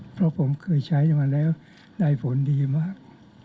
เพราะผมเคยใช้มาแล้วได้ผลดีมาก